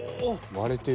割れてる。